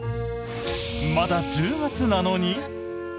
まだ１０月なのに？